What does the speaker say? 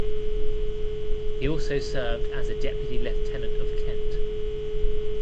He also served as a Deputy Lieutenant of Kent.